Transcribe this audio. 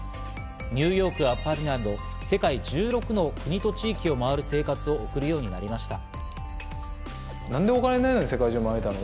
ニューヨークやパリなど世界１６の国と地域を回る生活を送るようになりました。